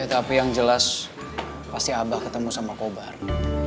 ya tapi yang jelas pasti abah ketemu sama kobang